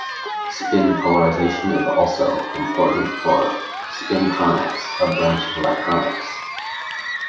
Spin polarization is also important for spintronics, a branch of electronics.